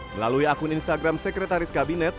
melalui akun instagram sekretaris kabinet